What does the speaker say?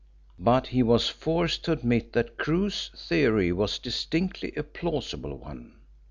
But he was forced to admit that Crewe's theory was distinctly a plausible one.